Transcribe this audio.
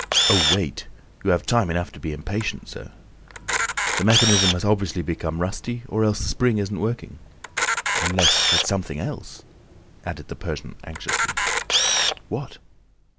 "Oh, wait! You have time enough to be impatient, sir! The mechanism has obviously become rusty, or else the spring isn't working... Unless it is something else," added the Persian, anxiously. "What?"